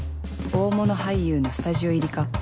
大物俳優のスタジオ入りか